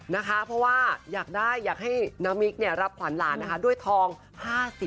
นะคะเพราะว่าอยากได้อยากให้น้ำมิกรับขวัญหลานนะคะด้วยทอง๕๐บาท